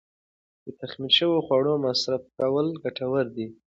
د تخمیر شوو خوړو مصرف کول ګټور دي.